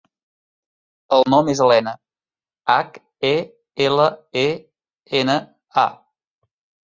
El nom és Helena: hac, e, ela, e, ena, a.